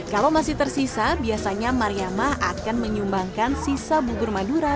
kalau masih tersisa biasanya mariamah akan menyumbangkan bubur madura